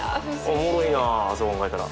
おもろいなそう考えたら。